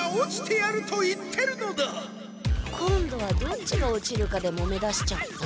今度はどっちが落ちるかでもめだしちゃった。